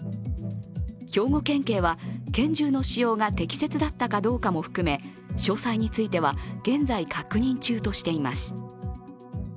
兵庫県警は拳銃の使用が適切だったかどうかも含め詳細については現在確認中としています。